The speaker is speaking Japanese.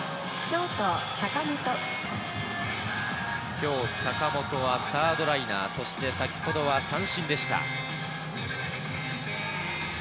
今日、坂本はサードライナー、そして先ほどは三振でした。